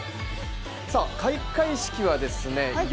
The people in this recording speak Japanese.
さあ、開会式はですね